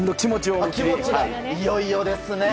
いよいよですね。